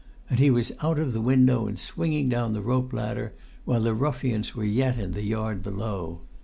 And he was out of the window and swinging down the rope ladder while the ruffians were yet in the yard below.